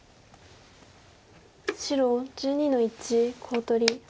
白１２の一コウ取り。